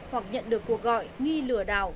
hoặc nhận được cuộc gọi nghi lừa đảo